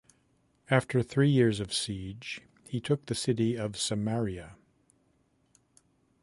After three years of siege he took the city of Samaria.